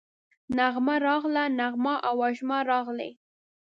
نغمه راغله، نغمه او وژمه راغلې